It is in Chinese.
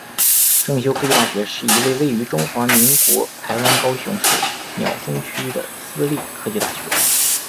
正修科技大学是一所位于中华民国台湾高雄市鸟松区的私立科技大学。